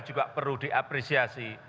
juga perlu diapresiasi